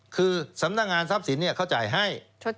คือสำนักงานทรัพย์สินเขาจ่ายให้